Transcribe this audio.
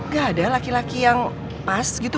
gak ada laki laki yang pas gitu